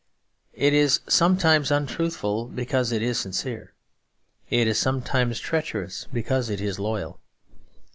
It is sometimes untruthful because it is sincere. It is sometimes treacherous because it is loyal.